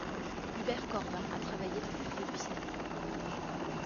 Hubert Corbin a travaillé dans le milieu du cinéma.